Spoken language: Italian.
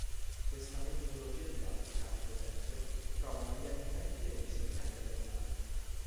Questa metodologia didattica, ad esempio, trova un ambiente fertile nei seminari aziendali.